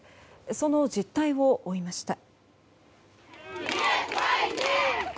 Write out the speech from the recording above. その実態を負いました。